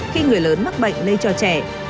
phần lớn mắc bệnh lây cho trẻ